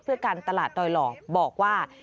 เพื่อการตลาดดอยหลอกบอกว่า